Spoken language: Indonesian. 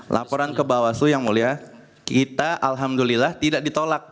laporan ke bawaslu yang mulia kita alhamdulillah tidak ditolak